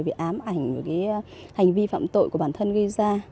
vì ám ảnh hành vi phạm tội của bản thân gây ra